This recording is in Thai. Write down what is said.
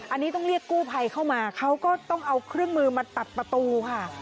อันนี้ต้องเรียกกู้ภัยเข้ามาเขาก็ต้องเอาเครื่องมือมาตัดประตูค่ะ